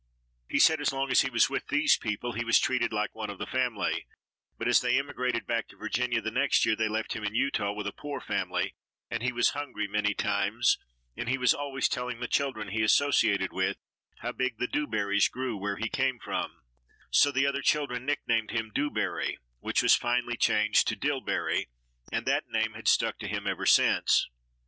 He said as long as he was with these people he was treated like one of the family, but as they immigrated back to Virginia the next year they left him in Utah with a poor family and he was hungry many times, and was always telling the children he associated with how big the dewberries grew where he came from, so the other children nicknamed him Dewberry, which was finally changed to Dillbery and that name had stuck to him ever since.